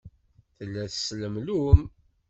Tella teslemlum.